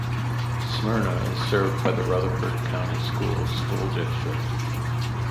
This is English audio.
Smyrna is served by the Rutherford County Schools school district.